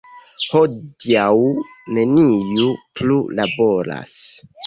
Hodiaŭ neniu plu laboras.